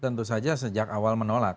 tentu saja sejak awal menolak